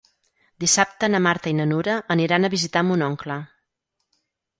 Dissabte na Marta i na Nura aniran a visitar mon oncle.